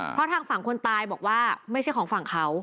เพราะทางฝั่งคนตายบอกว่าไม่ใช่ของฝั่งเขา